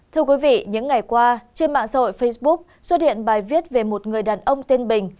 thưa quý vị những ngày qua trên mạng xã hội facebook xuất hiện bài viết về một người đàn ông tên bình